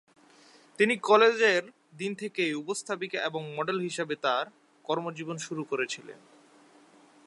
তিনি কলেজের দিন থেকেই উপস্থাপিকা এবং মডেল হিসাবে তার কর্মজীবন শুরু করেছিলেন।